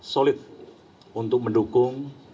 solid untuk mendukung